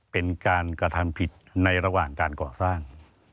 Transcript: เป็นการกระทำผิดในระหว่างการก่อสร้าง